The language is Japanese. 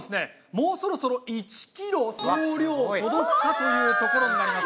もうそろそ１ｋｇ総量届くかというところになります。